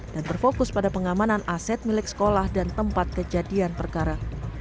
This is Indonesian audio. dan berfokus pada pengamanan aset milik sekolah dan tempat kejadian perkara